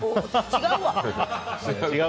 違うわ！